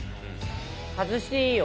外していいよ